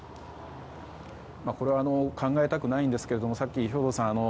これは考えたくないんですけどさっき兵頭さん